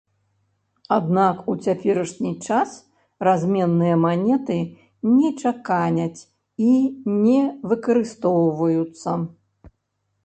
Аднак у цяперашні час разменныя манеты не чаканяць і не выкарыстоўваюцца.